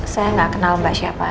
saya nggak kenal mbak siapa